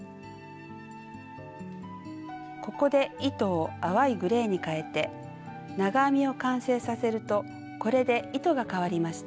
ここで糸を淡いグレーにかえて長編みを完成させるとこれで糸がかわりました。